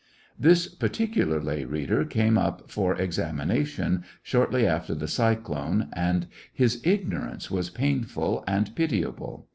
This particular lay reader came up for examination shortly after the cyclone, and his ignorance was painful and pitiable.